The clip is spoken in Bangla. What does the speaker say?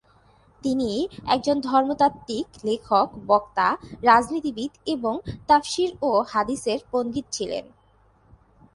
তিনি একজন ধর্মতাত্ত্বিক, লেখক, বক্তা, রাজনীতিবিদ এবং তাফসির ও হাদিসের পণ্ডিত ছিলেন।